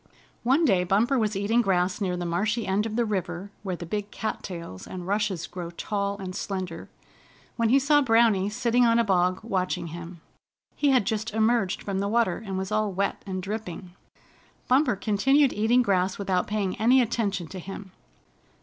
One day Bumper was eating grass near the marshy end of the river, where the big cattails and rushes grow tall and slender, when he saw Browny sitting on a bog watching him. He had just emerged from the water, and was all wet and dripping. Bumper continued eating grass without paying any attention to him.